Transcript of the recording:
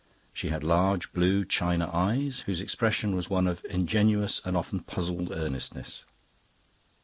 She had large blue china eyes, whose expression was one of ingenuous and often puzzled earnestness.